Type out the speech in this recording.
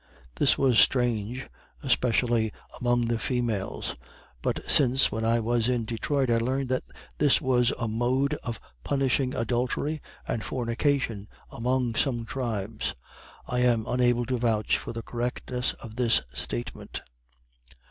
This was strange, especially among the females. But since, when I was in Detroit, I learned that this was a mode of punishing adultery and fornication among some tribes. I am unable to vouch for the correctness of this statement.